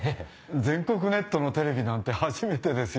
全国ネットのテレビなんて初めてですよ。